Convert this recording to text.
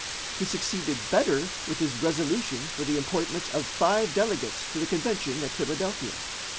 He succeeded better with his resolution for the appointment of five delegates to the convention at Philadelphia.